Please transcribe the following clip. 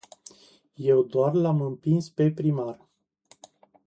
Eu doar l-am împins pe primar.